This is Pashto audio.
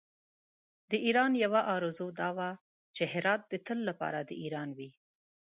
د ایران یوه آرزو دا وه چې هرات د تل لپاره د ایران وي.